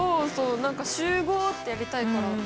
何か「集合！！」ってやりたいからって。